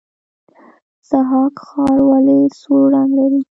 ضحاک ښار ولې سور رنګ لري؟